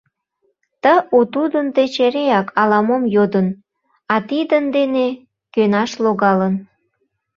Ты у тудын деч эреак ала-мом йодын, а тидын дене кӧнаш логалын.